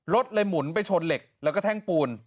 รถเลยหมุนไปชนเหล็กแล้วก็แท่งปูน